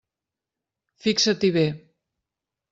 Fixa-t'hi bé.